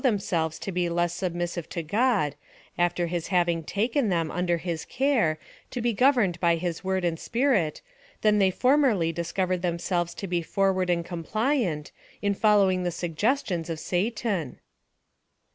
397 themselves to be less submissive to God, after liis having taken them under his care, to be governed bj his word and Spirit, than they formerly discovered themselves to be forward and compliant, in following the suggestions of Satan